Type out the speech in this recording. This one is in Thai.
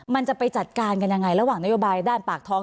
มันจะไปจัดการกันยังไงระหว่างนโยบายด้านปากท้อง